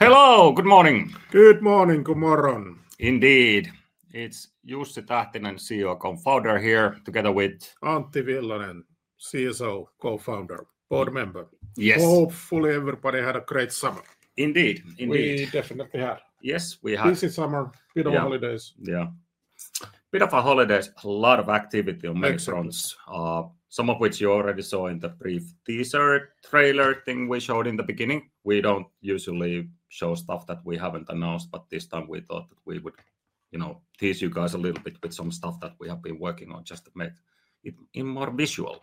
Hello! Good morning. Good morning, good morning. Indeed. It's Jussi Tähtinen, CEO, co-founder here, together with... Antti Villanen, CSO, co-founder, board member. Yes. Hopefully everybody had a great summer. Indeed, indeed. We definitely had. Yes, we have. Busy summer, beautiful holidays. Yeah, beautiful holidays, a lot of activity on many fronts. Some of which you already saw in the brief teaser trailer thing we showed in the beginning. We don't usually show stuff that we haven't announced, but this time we thought that we would tease you guys a little bit with some stuff that we have been working on just to make it more visual.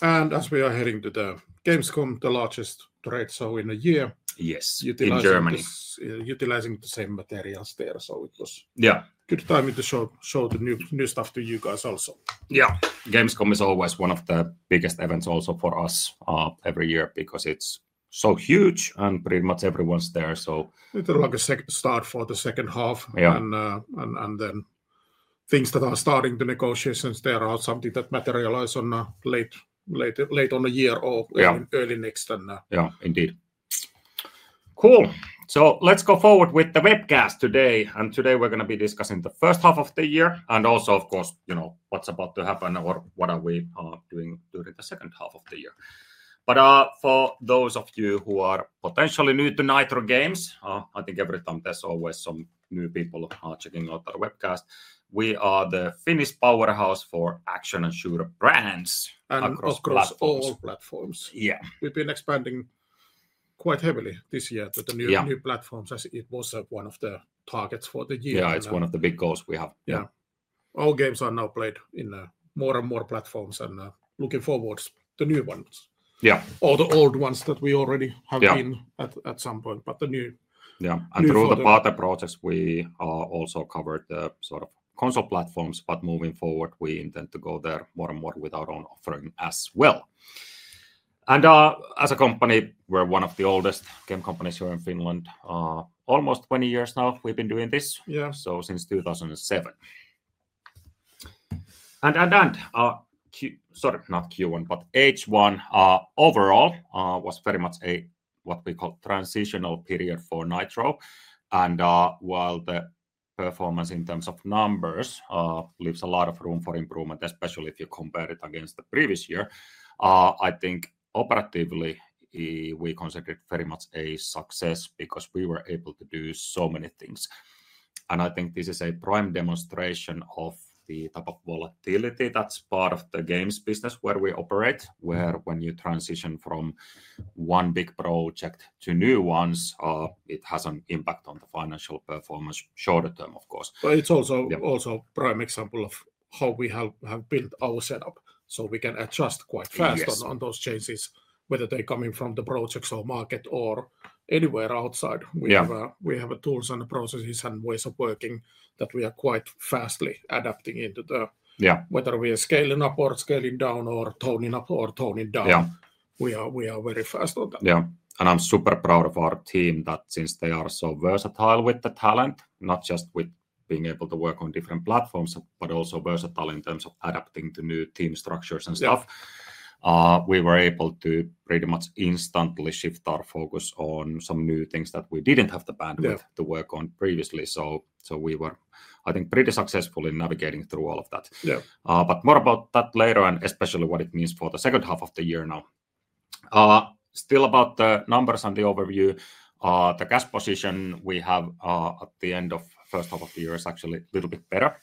As we are heading to Gamescom, the largest trade show in a year. Yes, in Germany. Utilizing the same materials there, so it was... Yeah. Good timing to show the new stuff to you guys also. Yeah, Gamescom is always one of the biggest events also for us every year because it's so huge, and pretty much everyone's there. A little like a start for the second half, and then things that are starting to negotiations there are something that materialize on late, late, late on the year or early next. Yeah, indeed. Cool. Let's go forward with the webcast today. Today we're going to be discussing the first half of the year and also, of course, you know, what's about to happen or what are we doing during the second half of the year. For those of you who are potentially new to Nitro Games, I think every time there's always some new people checking out our webcast. We are the Finnish powerhouse for action and shooter brands. Across all platforms. Yeah. We've been expanding quite heavily this year to the new platforms, as it was one of the targets for the year. That's one of the big goals we have. Yeah. All games are now played in more and more platforms, and looking forward to new ones. Yeah. All the old ones that we already have been at some point, but the new. Yeah. Throughout the project, we also covered the sort of console platforms. Moving forward, we intend to go there more and more with our own offering as well. As a company, we're one of the oldest game companies here in Finland. Almost 20 years now we've been doing this. Yeah. Since 2007, at the end, sorry, not Q1, but H1, overall was very much what we call a transitional period for Nitro. While the performance in terms of numbers leaves a lot of room for improvement, especially if you compare it against the previous year, I think operatively we considered it very much a success because we were able to do so many things. I think this is a prime demonstration of the type of volatility that's part of the games business where we operate, where when you transition from one big project to new ones, it has an impact on the financial performance, shorter term, of course. It is also a prime example of how we have built our setup so we can adjust quite fast on those changes, whether they're coming from the projects or market or anywhere outside. We have tools and processes and ways of working that we are quite fastly adapting into. Yeah. Whether we are scaling up or scaling down, or toning up or toning down. Yeah. We are very fast on that. Yeah, I'm super proud of our team that since they are so versatile with the talent, not just with being able to work on different platforms, but also versatile in terms of adapting to new team structures and stuff. We were able to pretty much instantly shift our focus on some new things that we didn't have the bandwidth to work on previously. I think we were pretty successful in navigating through all of that. Yeah. More about that later and especially what it means for the second half of the year. Still about the numbers and the overview, the cash position we have at the end of the first half of the year is actually a little bit better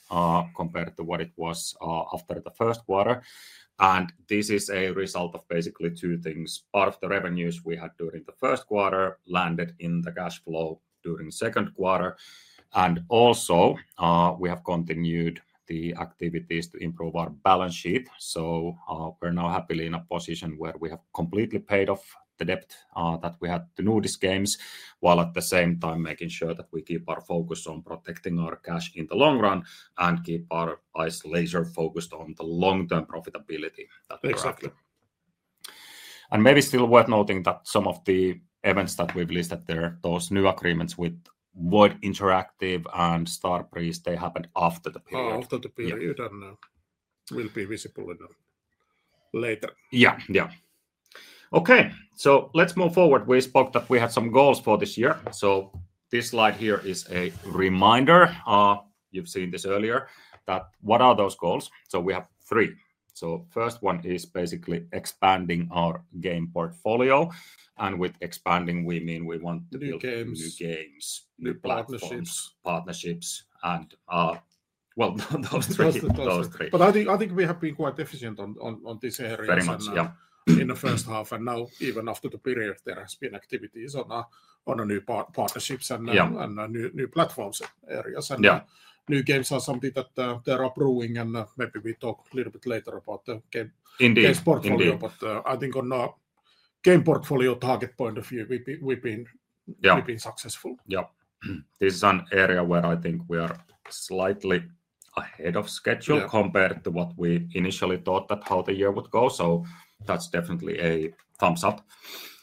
compared to what it was after the first quarter. This is a result of basically two things. Part of the revenues we had during the first quarter landed in the cash flow during the second quarter, and we have continued the activities to improve our balance sheet. We're now happily in a position where we have completely paid off the debt that we had to do these games, while at the same time making sure that we keep our focus on protecting our cash in the long run and keep our eyes laser-focused on the long-term profitability that we are. Exactly. is maybe still worth noting that some of the events that we've listed there, those new agreements with Void Interactive and Starbreeze, happened after the period. After the period, it will be visible later. Yeah, yeah. Okay, let's move forward. We spoke that we had some goals for this year. This slide here is a reminder. You've seen this earlier, that what are those goals? We have three. First one is basically expanding our game portfolio. With expanding, we mean we want to build new games, new platforms, partnerships, and those three. I think we have been quite efficient on this area in the first half. Now, even after the period, there have been activities on new partnerships and new platforms areas. New games are something that they're approving. Maybe we talk a little bit later about the game portfolio. I think on the game portfolio target point of view, we've been successful. This is an area where I think we are slightly ahead of schedule compared to what we initially thought that how the year would go. That's definitely a thumbs up.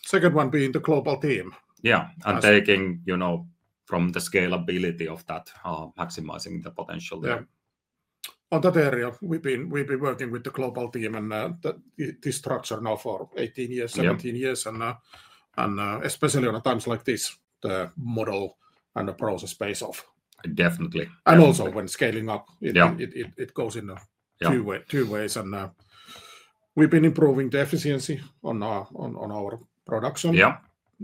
Second one being the global team. Yeah, taking, you know, from the scalability of that, maximizing the potential there. On that area, we've been working with the global team and this structure now for 18 years, 17 years. Especially on times like this, the model and the process space. Definitely. When scaling up, you know, it goes in two ways. We've been improving the efficiency on our production,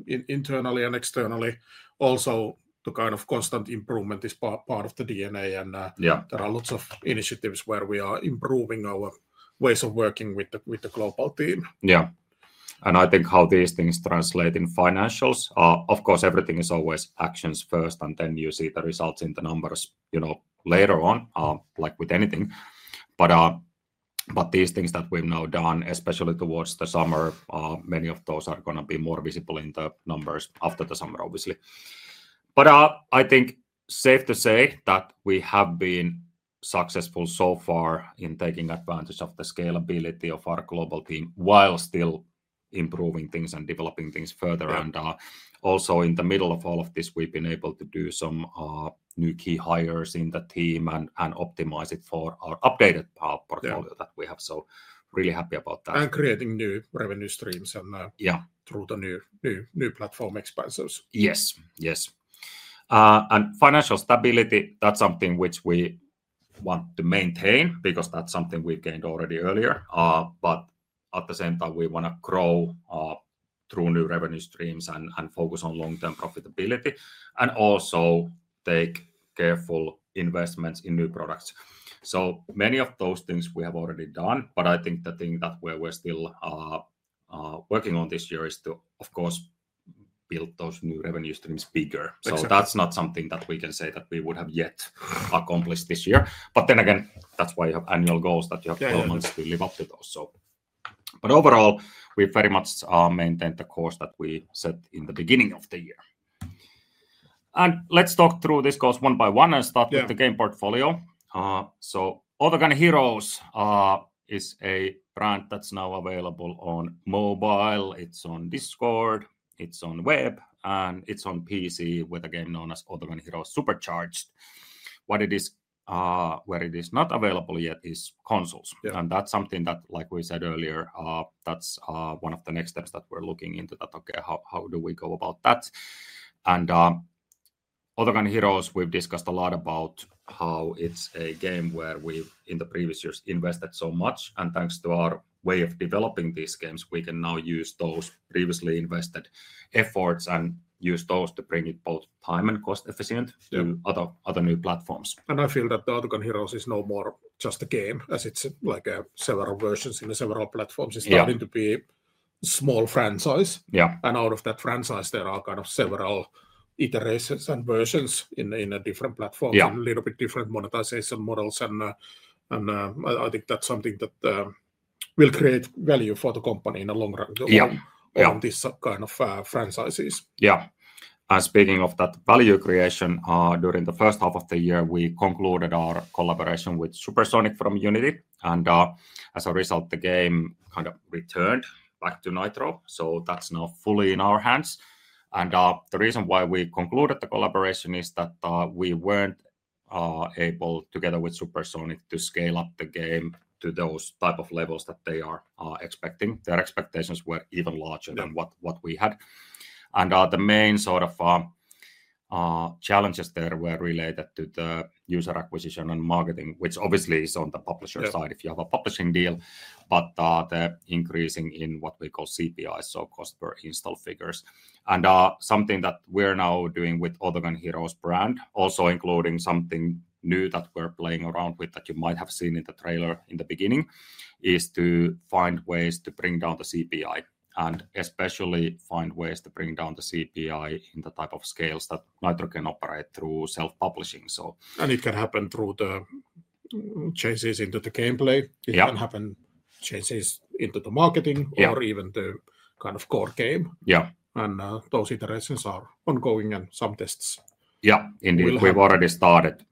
internally and externally. The kind of constant improvement is part of the DNA, and there are lots of initiatives where we are improving our ways of working with the global team. Yeah. I think how these things translate in financials, of course, everything is always actions first, and then you see the results in the numbers later on, like with anything. These things that we've now done, especially towards the summer, many of those are going to be more visible in the numbers after the summer, obviously. I think it's safe to say that we have been successful so far in taking advantage of the scalability of our global team while still improving things and developing things further. Also, in the middle of all of this, we've been able to do some new key hires in the team and optimize it for our updated portfolio that we have. Really happy about that. Creating new revenue streams through the new platform expansions. Yes, yes. Financial stability, that's something which we want to maintain because that's something we gained already earlier. At the same time, we want to grow through new revenue streams and focus on long-term profitability and also take careful investments in new products. Many of those things we have already done, but I think the thing that we're still working on this year is to, of course, build those new revenue streams bigger. That's not something that we can say that we would have yet accomplished this year. That's why you have annual goals that you have to live up to those. Overall, we very much maintained the course that we set in the beginning of the year. Let's talk through this course one by one and start with the game portfolio. Autogun Heroes is a brand that's now available on mobile, it's on Discord, it's on web, and it's on PC with a game known as Autogun Heroes Supercharged. Where it is not available yet is console platforms. That's something that, like we said earlier, that's one of the next steps that we're looking into. Okay, how do we go about that? Autogun Heroes, we've discussed a lot about how it's a game where we've, in the previous years, invested so much. Thanks to our way of developing these games, we can now use those previously invested efforts and use those to bring it both time and cost-efficient to other new platforms. I feel that the Autogun Heroes is no more just a game. As it's like several versions in several platforms, it's starting to be a small franchise. Yeah. Out of that franchise, there are kind of several iterations and versions in a different platform, a little bit different monetization models. I think that's something that will create value for the company in the long run. Yeah. On these kinds of franchises. Yeah. Speaking of that value creation, during the first half of the year, we concluded our collaboration with Supersonic from Unity. As a result, the game kind of returned back to Nitro, so that's now fully in our hands. The reason why we concluded the collaboration is that we weren't able, together with Supersonic, to scale up the game to those types of levels that they are expecting. Their expectations were even larger than what we had. The main sort of challenges there were related to the user acquisition and marketing, which obviously is on the publisher side if you have a publishing deal. They're increasing in what we call CPIs, so cost per install figures. Something that we're now doing with Autogun Heroes brand, also including something new that we're playing around with that you might have seen in the trailer in the beginning, is to find ways to bring down the CPI. Especially, find ways to bring down the CPI in the type of scales that Nitro can operate through self-publishing. It can happen through the changes into the gameplay, changes into the marketing, or even the kind of core game. Yeah. Those iterations are ongoing and some tests. Yeah, indeed. We've already started.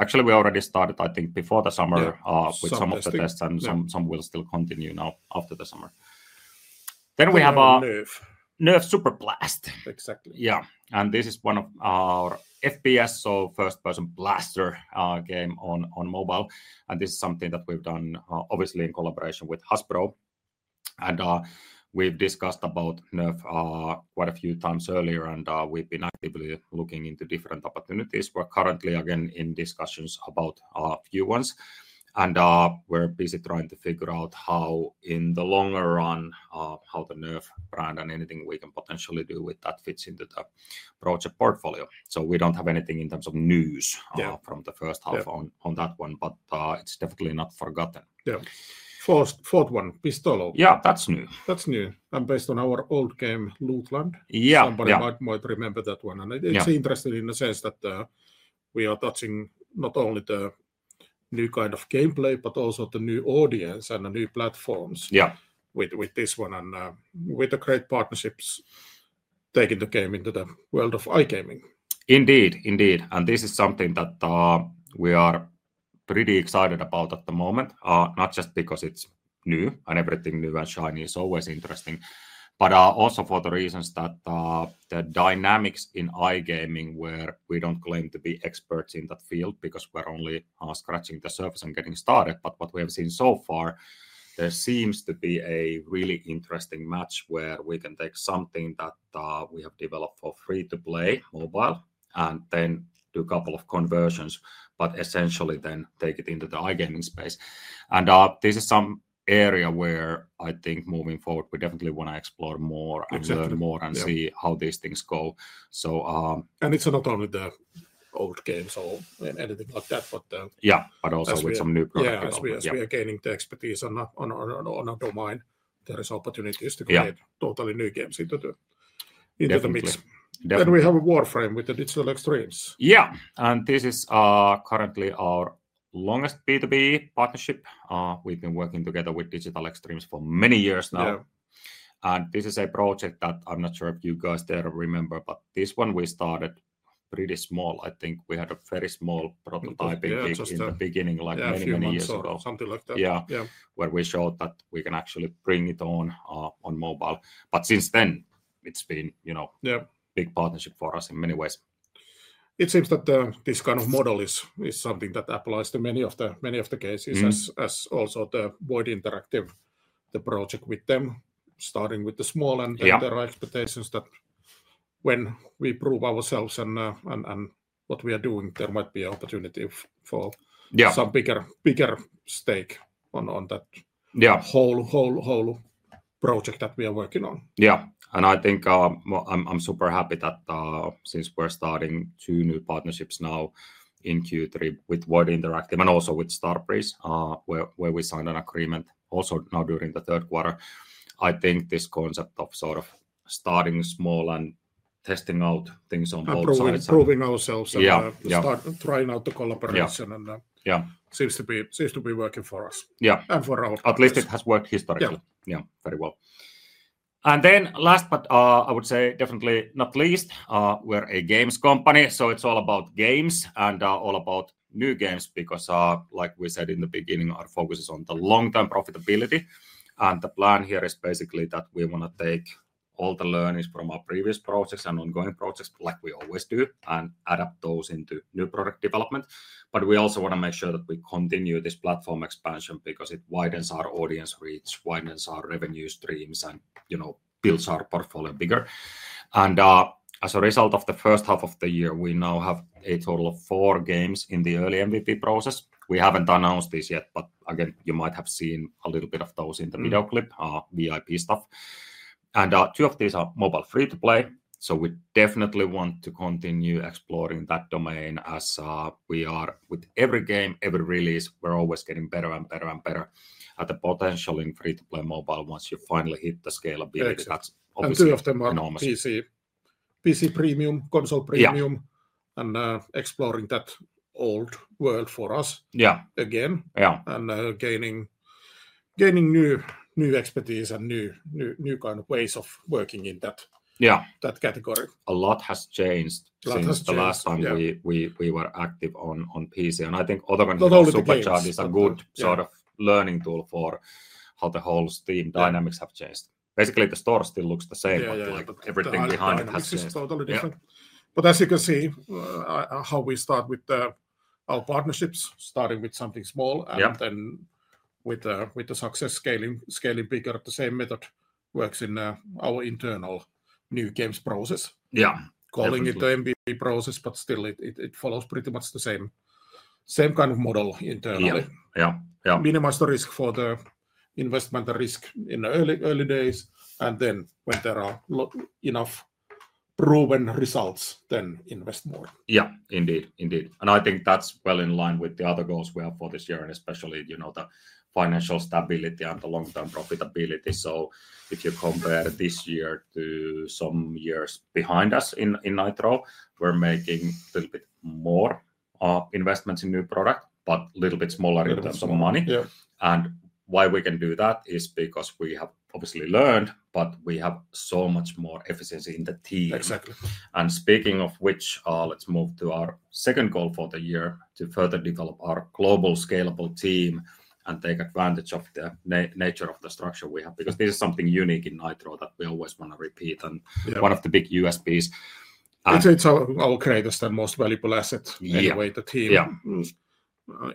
Actually, we already started, I think, before the summer with some of the tests, and some will still continue now after the summer. Then we have a Nerf Super Blast. Exactly. Yeah. This is one of our FPS, so first-person blaster game on mobile. This is something that we've done obviously in collaboration with Hasbro. We've discussed about Nerf quite a few times earlier. We've been actively looking into different opportunities. We're currently, again, in discussions about a few ones. We're busy trying to figure out how in the longer run, how the Nerf brand and anything we can potentially do with that fits into the project portfolio. We don't have anything in terms of news from the first half on that one, but it's definitely not forgotten. Yeah. First, fourth one, Pistolo. Yeah, that's new. That's new and based on our old game, Lootland. Yeah. Somebody might remember that one. It's interesting in the sense that we are touching not only the new kind of gameplay, but also the new audience and the new platforms. Yeah. With this one and with the great partnerships taking the game into the world of iGaming. Indeed, indeed. This is something that we are pretty excited about at the moment, not just because it's new and everything new and shiny is always interesting, but also for the reasons that the dynamics in iGaming, where we don't claim to be experts in that field because we're only scratching the surface and getting started. What we have seen so far, there seems to be a really interesting match where we can take something that we have developed for free-to-play mobile and then do a couple of conversions, but essentially then take it into the iGaming space. This is some area where I think moving forward, we definitely want to explore more and learn more and see how these things go. It's not only the old games or anything like that. Yeah, also with some new product. We are gaining the expertise on a domain. There are opportunities to create totally new games into the mix. We have a Warframe with Digital Extremes. This is currently our longest B2B partnership. We've been working together with Digital Extremes for many years now. Yeah. This is a project that I'm not sure if you guys there remember, but this one we started pretty small. I think we had a very small prototype in the beginning, like many, many years ago. Something like that. Yeah. Yeah. Where we showed that we can actually bring it on mobile. Since then, it's been a big partnership for us in many ways. It seems that this kind of model is something that applies to many of the cases, as also Void Interactive, the project with them, starting with the small. There are expectations that when we prove ourselves and what we are doing, there might be an opportunity for some bigger stake on that whole, whole, whole project that we are working on. I think I'm super happy that since we're starting two new partnerships now in Q3 with Void Interactive and also with Starbreeze, where we signed an agreement also now during the third quarter. I think this concept of sort of starting small and testing out things on both sides of the. Proving ourselves and trying out the collaboration, it seems to be working for us. Yeah. For our part. At least it has worked historically. Yeah. Yeah, very well. Last, but I would say definitely not least, we're a games company. It's all about games and all about new games because, like we said in the beginning, our focus is on the long-term profitability. The plan here is basically that we want to take all the learnings from our previous projects and ongoing projects, like we always do, and adapt those into new product development. We also want to make sure that we continue this platform expansion because it widens our audience reach, widens our revenue streams, and, you know, builds our portfolio bigger. As a result of the first half of the year, we now have a total of four games in the early MVP process. We haven't announced this yet, but again, you might have seen a little bit of those in the video clip, VIP stuff. Two of these are mobile free-to-play. We definitely want to continue exploring that domain as we are with every game, every release. We're always getting better and better and better at the potential in free-to-play mobile once you finally hit the scalability. Two of them are PC/console premium, and exploring that old world for us. Yeah. Again. Yeah. Gaining new expertise and new kind of ways of working in that category. A lot has changed since the last time we were active on PC. I think Autogun Heroes Supercharged is a good sort of learning tool for how the whole Steam dynamics have changed. Basically, the store still looks the same, but everything behind it has changed. It's totally different. As you can see, how we start with our partnerships, starting with something small and then with the success, scaling bigger. The same method works in our internal new games process. Yeah. Calling it the MVP process, it still follows pretty much the same kind of model internally. Yeah, yeah. Minimize the risk for the investment risk in the early days. When there are enough proven results, invest more. Indeed, indeed. I think that's well in line with the other goals we have for this year, especially the financial stability and the long-term profitability. If you compare this year to some years behind us in Nitro, we're making a little bit more investments in new product, but a little bit smaller in terms of money. Why we can do that is because we have obviously learned, but we have so much more efficiency in the team. Exactly. Speaking of which, let's move to our second goal for the year to further develop our global scalable team and take advantage of the nature of the structure we have, because this is something unique in Nitro that we always want to repeat. It's one of the big USPs. It's okay to say the most valuable asset anyway, the team. Yeah.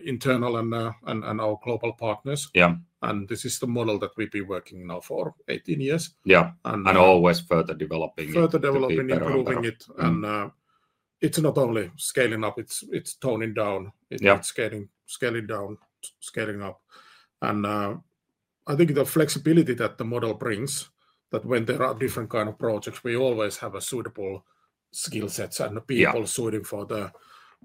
Internal and our global partners. Yeah. This is the model that we've been working now for 18 years. Yeah, always further developing it. Further developing, improving it. It's not only scaling up, it's toning down. Yeah. It's scaling down, scaling up. I think the flexibility that the model brings, that when there are different kinds of projects, we always have suitable skill sets and the people suited for the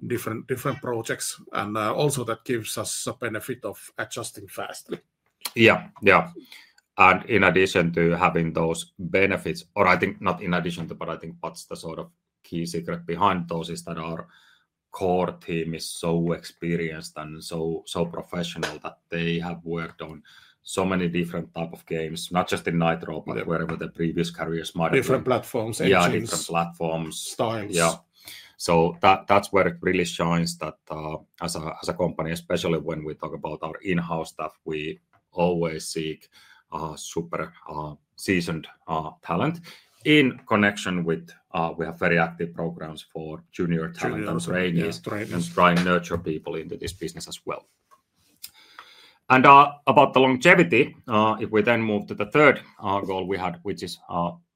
different projects. This also gives us a benefit of adjusting fast. Yeah. In addition to having those benefits, or I think not in addition to, but I think that's the sort of key secret behind those is that our core team is so experienced and so professional that they have worked on so many different types of games, not just in Nitro, but wherever the previous careers might have been. Different platforms, agents. Yeah, different platforms. Styles. Yeah. That's where it really shines that as a company, especially when we talk about our in-house staff, we always seek super seasoned talent in connection with, we have very active programs for junior talent training and trying to nurture people into this business as well. About the longevity, if we then move to the third goal we had, which is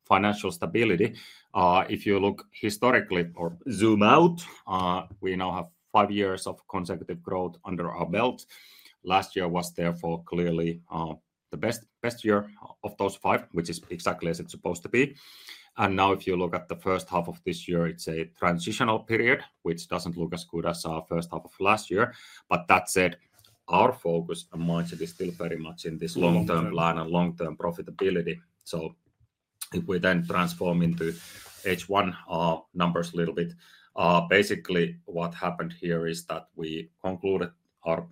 financial stability, if you look historically or zoom out, we now have five years of consecutive growth under our belt. Last year was therefore clearly the best year of those five, which is exactly as it's supposed to be. If you look at the first half of this year, it's a transitional period, which doesn't look as good as our first half of last year. That said, our focus and mindset is still very much in this long-term plan and long-term profitability. If we then transform into H1 numbers a little bit, basically what happened here is that we concluded our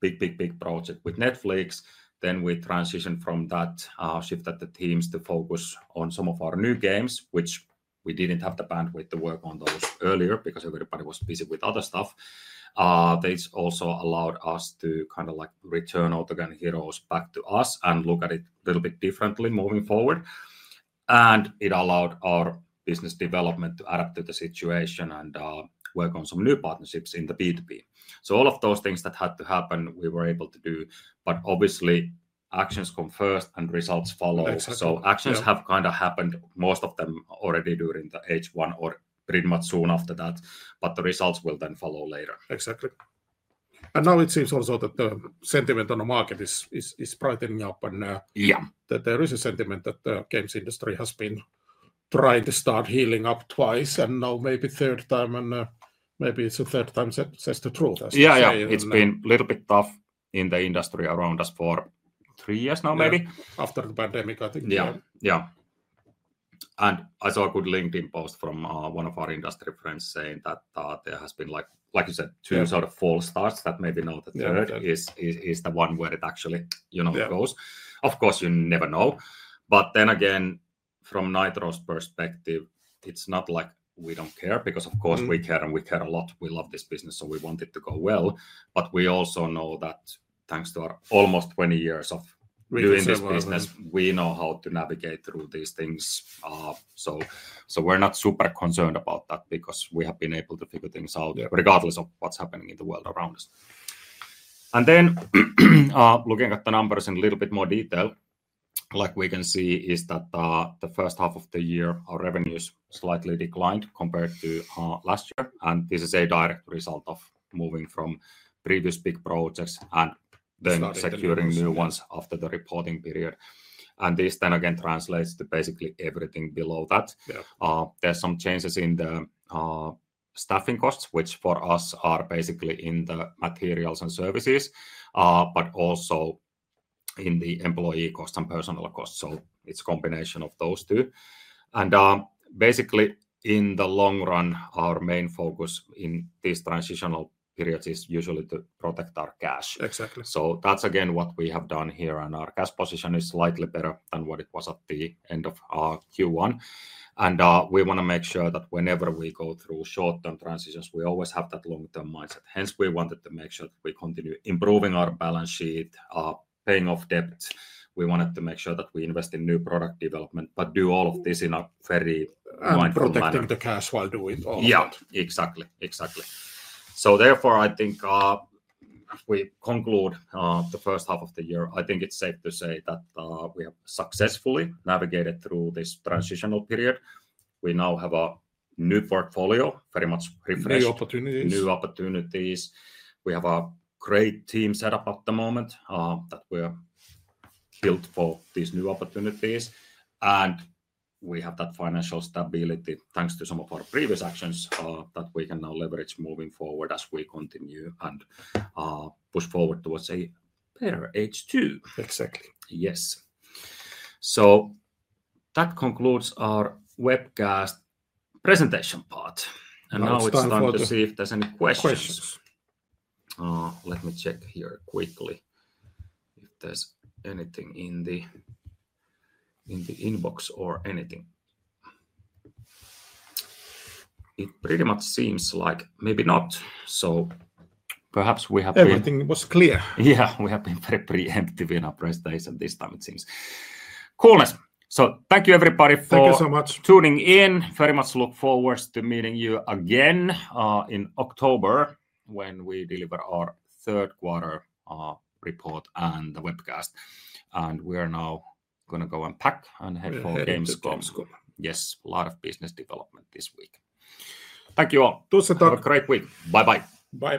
big, big, big project with Netflix. We transitioned from that, shifted the teams to focus on some of our new games, which we didn't have the bandwidth to work on those earlier because everybody was busy with other stuff. This also allowed us to kind of like return Autogun Heroes back to us and look at it a little bit differently moving forward. It allowed our business development to adapt to the situation and work on some new partnerships in the B2B. All of those things that had to happen, we were able to do. Obviously, actions come first and results follow. Exactly. Actions have kind of happened, most of them already during the H1 or pretty much soon after that. The results will then follow later. Exactly. It seems also that the sentiment on the market is brightening up. Yeah. There is a sentiment that the games industry has been trying to start healing up twice, and now maybe a third time. Maybe it's the third time says the truth. Yeah, it's been a little bit tough in the industry around us for three years now, maybe. After the pandemic, I think. Yeah, yeah. I saw a good LinkedIn post from one of our industry friends saying that there have been, like you said, two sort of false starts that maybe now the third is the one where it actually, you know, goes. Of course, you never know. From Nitro's perspective, it's not like we don't care because, of course, we care and we care a lot. We love this business, so we want it to go well. We also know that thanks to our almost 20 years of doing this business, we know how to navigate through these things. We're not super concerned about that because we have been able to figure things out regardless of what's happening in the world around us. Looking at the numbers in a little bit more detail, what we can see is that the first half of the year, our revenues slightly declined compared to last year. This is a direct result of moving from previous big projects and then securing new ones after the reporting period. This then again translates to basically everything below that. There are some changes in the staffing costs, which for us are basically in the materials and services, but also in the employee costs and personal costs. It's a combination of those two. Basically, in the long run, our main focus in these transitional periods is usually to protect our cash. Exactly. That's again what we have done here. Our cash position is slightly better than what it was at the end of Q1. We want to make sure that whenever we go through short-term transitions, we always have that long-term mindset. Hence, we wanted to make sure that we continue improving our balance sheet, paying off debts. We wanted to make sure that we invest in new product development, but do all of this in a very mindful manner. Protecting the cash while doing it. Yeah, exactly, exactly. Therefore, I think if we conclude the first half of the year, I think it's safe to say that we have successfully navigated through this transitional period. We now have a new portfolio, very much refreshed. New opportunities. New opportunities. We have a great team setup at the moment that we're built for these new opportunities. We have that financial stability thanks to some of our previous actions that we can now leverage moving forward as we continue and push forward towards a better H2. Exactly. Yes. That concludes our webcast presentation part. Now it's time to see if there's any questions. Let me check here quickly if there's anything in the inbox or anything. It pretty much seems like maybe not. Perhaps we have been. Everything was clear. We have been very preemptive in our presentation this time, it seems. Coolness. Thank you, everybody, for. Thank you so much. Tuning in. Very much look forward to meeting you again in October when we deliver our third quarter report and the webcast. We are now going to go and pack and have more games coming. Yes, a lot of business development this week. Thank you all. Tusen tack. Have a great week. Bye bye. Bye.